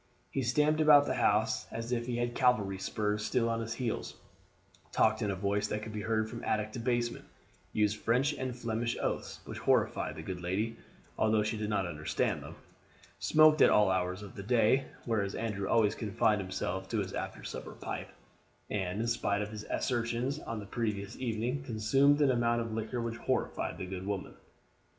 He stamped about the house as if he had cavalry spurs still on his heels; talked in a voice that could be heard from attic to basement; used French and Flemish oaths which horrified the good lady, although she did not understand them; smoked at all hours of the day, whereas Andrew always confined himself to his after supper pipe, and, in spite of his assertions on the previous evening, consumed an amount of liquor which horrified the good woman.